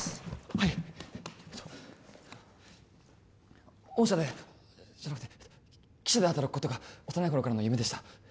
はいえっと御社でじゃなくて貴社で働くことが幼い頃からの夢でした